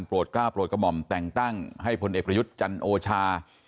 กล้าโปรดกระหม่อมแต่งตั้งให้พลเอกประยุทธ์จันโอชา